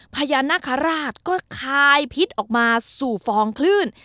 พญานาคาราชก็คายพิษออกมาสู่ฟองคลื่น